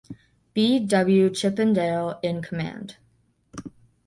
B. W. Chippendale in command.